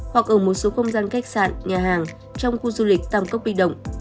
hoặc ở một số không gian khách sạn nhà hàng trong khu du lịch tam cốc bi động